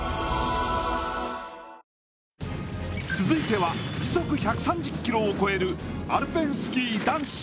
続いては時速１３０キロを超えるアルペン